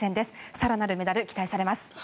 更なるメダル期待されます。